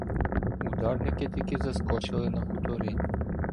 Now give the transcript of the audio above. Ударники таки заскочили на хутори.